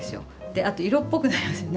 あと色っぽくなりますよね。